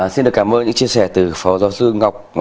xin được cảm ơn những chia sẻ từ phó giáo sư ngọc